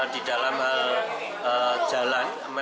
di dalam jalan